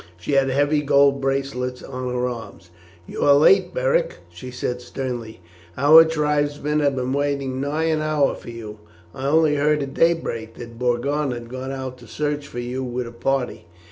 She had heavy gold bracelets on her arms. "You are late, Beric," she said sternly. "Our tribesmen have been waiting nigh an hour for you. I only heard at daybreak that Borgon had gone out to search for you with a party."